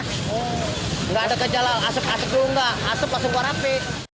tidak ada kecelakaan asep asep juga tidak asep langsung keluar api